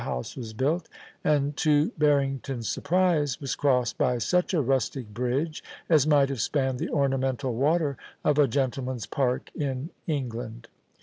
house was built, and, to Barrington*s surprise, was crossed by such a rustic bridge as might have spanned the ornamental water of a gentleman's park in England.